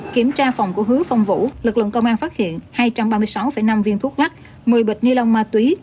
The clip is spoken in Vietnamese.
kiểm tra phòng của hứa phong vũ lực lượng công an phát hiện hai trăm ba mươi sáu năm viên thuốc lắc một mươi bịch ni lông ma túy